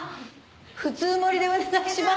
普通盛りでお願いします。